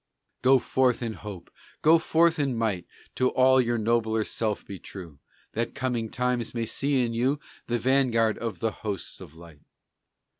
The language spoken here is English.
Go forth in hope! Go forth in might! To all your nobler self be true, That coming times may see in you The vanguard of the hosts of light.